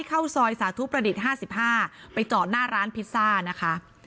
เข้าซอยสาธุประดิษฐ์๕๕ไปจอดหน้าร้านพิซซ่านะคะ